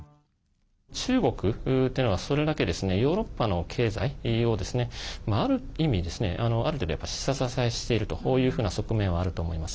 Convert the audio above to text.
中国ってのは、それだけヨーロッパの経済を、ある意味ある程度下支えしてるというふうな側面はあると思います。